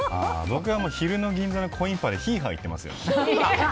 僕は昼の銀座のコインパでひーはー言っていますよ。